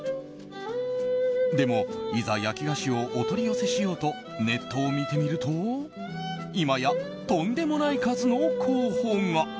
でも、いざ焼き菓子をお取り寄せしようとネットを見てみると今や、とんでもない数の候補が。